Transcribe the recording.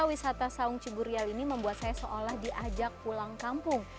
wisata saung ciburial ini membuat saya seolah diajak pulang kampung